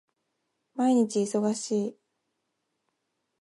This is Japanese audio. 毎日忙しい